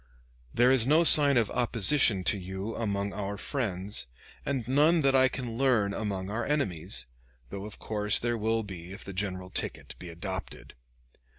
There is no sign of opposition to you among our friends, and none that I can learn among our enemies; though of course there will be if the general ticket be adopted.